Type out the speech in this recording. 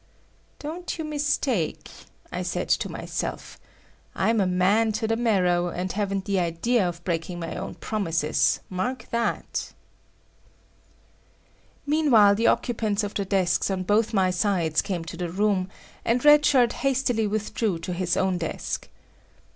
"Don't you mistake," I said to myself, "I'm a man to the marrow, and haven't the idea of breaking my own promises; mark that!" Meanwhile the occupants of the desks on both my sides came to the room, and Red Shirt hastily withdrew to his own desk.